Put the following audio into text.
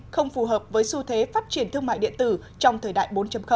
không phù hợp với xu thế phát triển thương mại điện tử trong thời đại bốn